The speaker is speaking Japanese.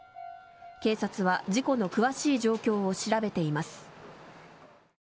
警察は事故の詳しい状況を調べています。